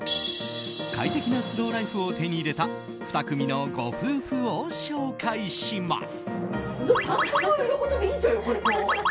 快適なスローライフを手に入れた２組のご夫婦を紹介します。